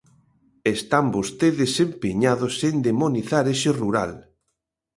Están vostedes empeñados en demonizar ese rural.